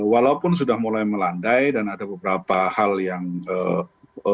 walaupun sudah mulai melandai dan ada beberapa hal yang sudah bisa diperhatikan